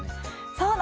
そうなの！